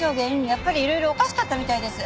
やっぱりいろいろおかしかったみたいです。